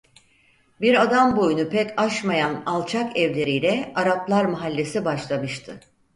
Bir adam boyunu pek aşmayan alçak evleriyle Araplar Mahallesi başlamıştı.